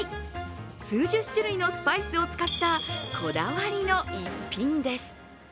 数十種類のスパイスを使ったこだわりの逸品です。